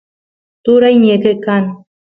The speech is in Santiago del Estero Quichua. turay ñeqe kan